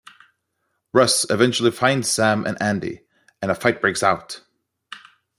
Russ eventually finds Sam and Andy, and a fight breaks out.